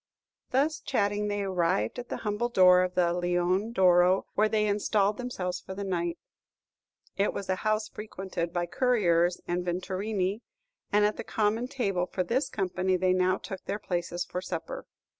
Thus chatting, they arrived at the humble door of the "Leone d'Oro," where they installed themselves for the night. It was a house frequented by couriers and vetturini, and at the common table for this company they now took their places for supper.